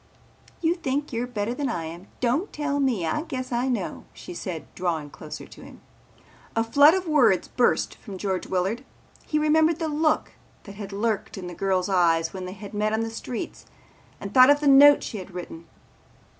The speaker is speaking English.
"You think you're better than I am. Don't tell me, I guess I know," she said drawing closer to him. A flood of words burst from George Willard. He remembered the look that had lurked in the girl's eyes when they had met on the streets and thought of the note she had written.